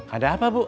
ada apa bu